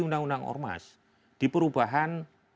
undang undang ormas di perubahan